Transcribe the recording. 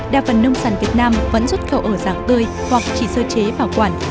đa phần nông sản việt nam vẫn xuất khẩu ở dạng tươi hoặc chỉ sơ chế bảo quản